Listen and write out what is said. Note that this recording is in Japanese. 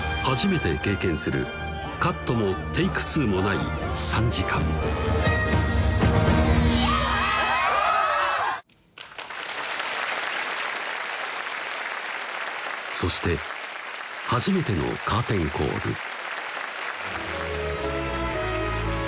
初めて経験する「カット」も「テーク２」もない３時間そして初めてのカーテンコール